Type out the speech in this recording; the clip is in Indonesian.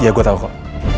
ya gue tau kok